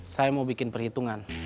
saya mau bikin perhitungan